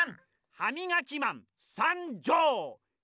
ハミガキマンさんじょう！